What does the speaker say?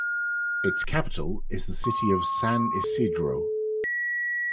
Its capital is the city of San Isidro.